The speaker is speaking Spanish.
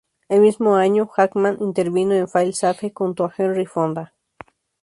El mismo año, Hagman intervino en "Fail-Safe", junto a Henry Fonda.